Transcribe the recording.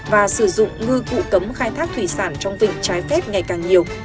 và sử dụng ngư cụ cấm khai thác thủy sản trong vịnh trái phép ngày càng nhiều